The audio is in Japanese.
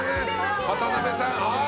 渡辺さん。